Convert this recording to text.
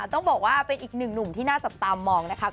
ต้องบอกว่าเป็นอีกหนึ่งหนุ่มที่น่าจับตามองนะคะ